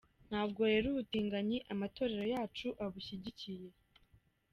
Ntabwo rero ubutinganyi amatorero yacu abushyigikiye.